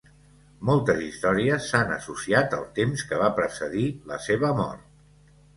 Moltes històries s'han associat al temps que va precedir la seva mort.